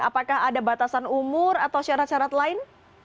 apakah ada batasan umur atau syarat syarat lain